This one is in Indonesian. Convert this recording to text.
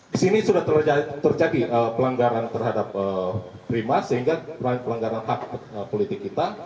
di sini sudah terjadi pelanggaran terhadap prima sehingga pelanggaran hak politik kita